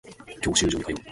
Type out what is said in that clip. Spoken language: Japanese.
教習所に通う